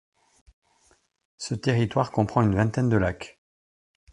Ce territoire comprend une vingtaine de lacs.